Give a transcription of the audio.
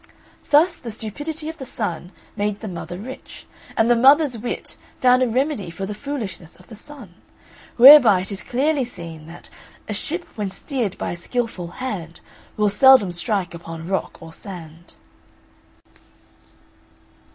Thus the stupidity of the son made the mother rich, and the mother's wit found a remedy for the foolishness of the son: whereby it is clearly seen that "A ship when steered by a skilful hand Will seldom strike upon rock or sand."